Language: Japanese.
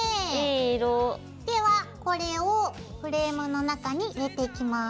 ではこれをフレームの中に入れていきます。